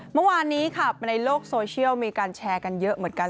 เมื่อวานนี้ค่ะในโลกโซเชียลมีการแชร์กันเยอะเหมือนกัน